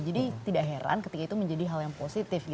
jadi tidak heran ketika itu menjadi hal yang positif